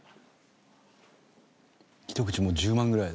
ひと口もう１０万ぐらい。